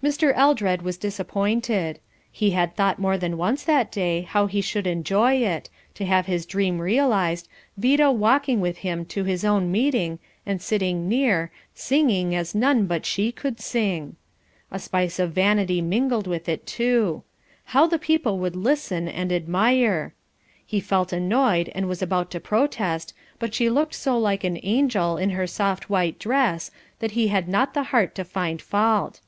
Mr. Eldred was disappointed. He had thought more than once that day how he should enjoy it; to have his dream realized, Vida walking with him, to his own meeting, and sitting near, singing as none but she could sing. A spice of vanity mingled with it too. How the people would listen and admire! He felt annoyed and was about to protest, but she looked so like an angel in her soft white dress that he had not the heart to find fault.